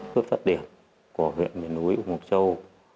phước phát điểm của huyện miền núi mộc châu